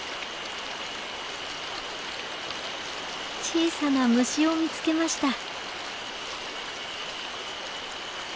小さな虫を見つけました。